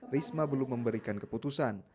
risma belum memberikan keputusan